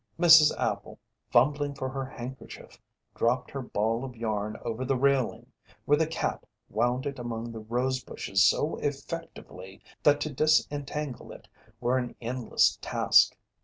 Mrs. Appel, fumbling for her handkerchief, dropped her ball of yarn over the railing, where the cat wound it among the rose bushes so effectively that to disentangle it were an endless task.